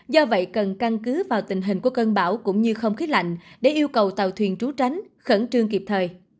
do vậy cần căn cứ vào tình hình của cơn bão cũng như không khí lạnh để yêu cầu tàu thuyền trú tránh khẩn trương kịp thời